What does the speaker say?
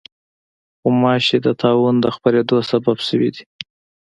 غوماشې د طاعون د خپرېدو سبب شوې دي.